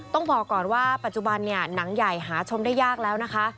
ต้องบอกก่อนว่าปัจจุบันเนี่ยหนังใหญ่หาชมได้ยากแล้วนะคะ